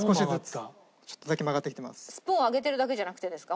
スプーンを上げてるだけじゃなくてですか？